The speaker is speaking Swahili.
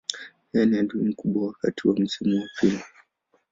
Yeye ni adui mkubwa wakati wa msimu wa pili.